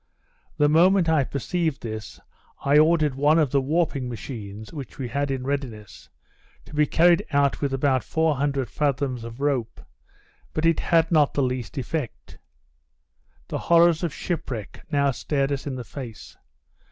The moment I perceived this, I ordered one of the warping machines, which we had in readiness, to be carried out with about four hundred fathoms of rope; but it had not the least effect. The horrors of shipwreck now stared us in the face.